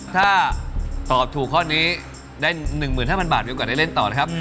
ถ้าตอบถูกข้อนี้ได้๑๕๐๐บาทมีโอกาสได้เล่นต่อนะครับ